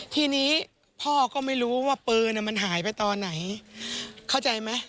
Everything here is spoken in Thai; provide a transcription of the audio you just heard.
ทีนี้พ่อก็ไม่รู้ว่าปืนมันหายไปตอนไหนเข้าใจไหม